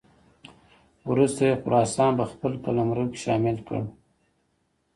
وروسته یې خراسان په خپل قلمرو کې شامل کړ.